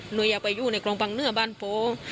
หนูอยากไปอยู่ในกลองบังเนื้อบ้านโป๊ง